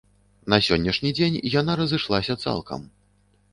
На сённяшні дзень яна разышлася цалкам.